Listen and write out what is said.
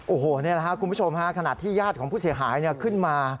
โอ้โหนี่แหละครับคุณผู้ชมฮะขณะที่ญาติของผู้เสียหายขึ้นมา